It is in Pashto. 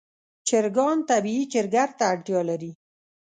چرګان طبیعي چرګړ ته اړتیا لري.